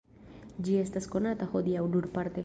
Ĝi estas konata hodiaŭ nur parte.